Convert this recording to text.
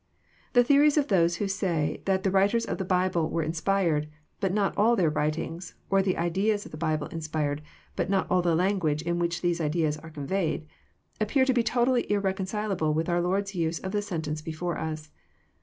The theories of those who say that the writers of the Bible were inspired, but not all their writings, — or the ideas of the Bible inspired, but not all the language in which these ideas are con veyed, — appear to be totally irreconcilable with our Lord's use of the sentence before us.